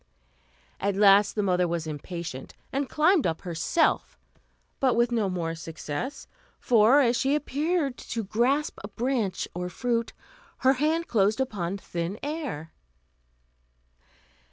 At last the mother was impatient, and climbed up herself, but with no more success, for, as she appeared to grasp a branch, or fruit, her hand closed upon thin air.